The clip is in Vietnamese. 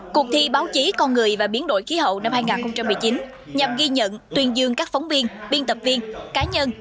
cuộc thi báo chí con người và biến đổi khí hậu năm hai nghìn một mươi chín nhằm ghi nhận tuyên dương các phóng viên biên tập viên cá nhân